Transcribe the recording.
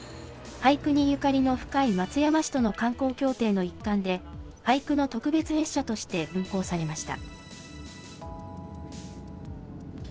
俳句にゆかりの深い松山市との観光協定の一環で、俳句の特別列車として運行されました。